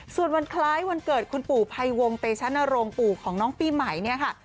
ส่วนวันคล้ายวันเกิดคุณปู่ภัยวงเตชะนโรงปู่ของน้องปีใหม่